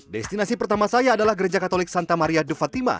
destinasi pertama saya adalah gereja katolik santa maria de fatima